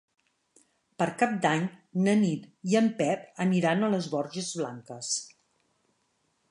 Per Cap d'Any na Nit i en Pep aniran a les Borges Blanques.